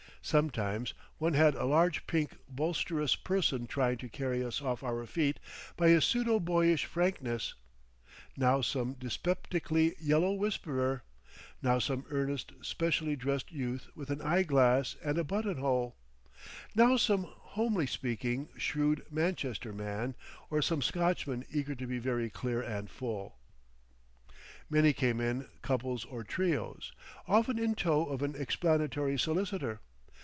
Sometimes one had a large pink blusterous person trying to carry us off our feet by his pseudo boyish frankness, now some dyspeptically yellow whisperer, now some earnest, specially dressed youth with an eye glass and a buttonhole, now some homely speaking, shrewd Manchester man or some Scotchman eager to be very clear and full. Many came in couples or trios, often in tow of an explanatory solicitor.